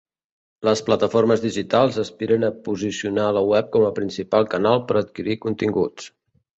Les plataformes digitals aspiren a posicionar la web com a principal canal per adquirir continguts.